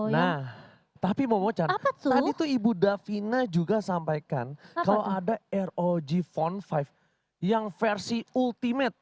nah tapi mau bocor tadi tuh ibu davina juga sampaikan kalau ada rog phone lima yang versi ultimate